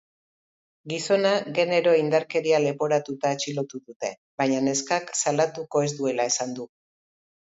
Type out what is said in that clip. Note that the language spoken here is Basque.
Gizona genero-indarkeria leporatuta atxilotu dute, baina neskak salatuko ez duela esan du.